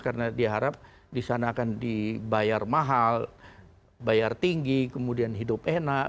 karena diharap di sana akan dibayar mahal bayar tinggi kemudian hidup enak